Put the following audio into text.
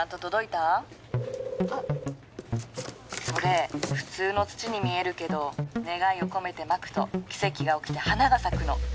それ普通の土に見えるけど願いを込めてまくと奇跡が起きて花が咲くの。